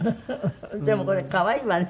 でもこれ可愛いわね